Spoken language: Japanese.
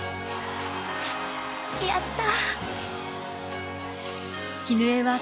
やった。